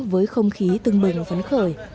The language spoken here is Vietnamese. với không khí tưng bình phấn khởi